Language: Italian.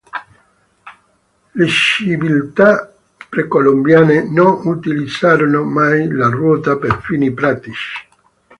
Le civiltà precolombiane non utilizzarono mai la ruota per fini pratici.